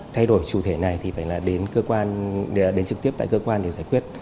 thay đổi chủ thể này thì phải là đến cơ quan trực tiếp tại cơ quan để giải quyết